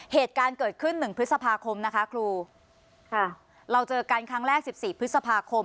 เหตุการณ์เกิดขึ้นหนึ่งพฤษภาคมนะคะครูค่ะเราเจอกันครั้งแรกสิบสี่พฤษภาคม